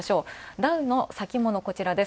ダウの先物、こちらです。